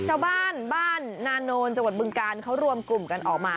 ชาวบ้านบ้านนาโนนจังหวัดบึงการเขารวมกลุ่มกันออกมา